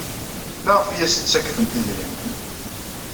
Maɣef ay as-ttakfent idrimen?